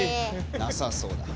なさそうだ。